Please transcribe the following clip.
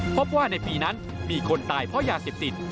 พบว่าในปีนั้นมีคนตายเพราะยาเสพติด